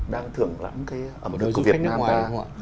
đang thưởng lãm cái ẩm thực việt nam ta